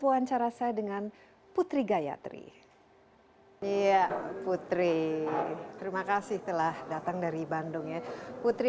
wawancara saya dengan putri gayatri iya putri terima kasih telah datang dari bandung ya putri